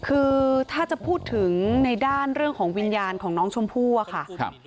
คือถ้าจะพูดถึงในด้านเรื่องของวิญญาณของน้องชมพู่อะค่ะ